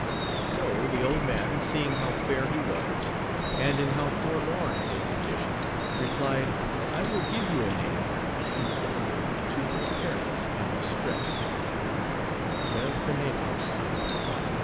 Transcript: — So the old man, see ing how fair he was, and in how forlorn a condition, replied, I will give you a name conformable to your appearance and distress, Beltenebros.